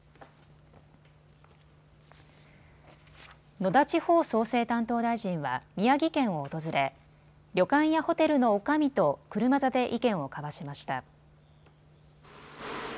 野田地方創生担当大臣は宮城県を訪れ、旅館やホテルのおかみと車座で意見を交わしました。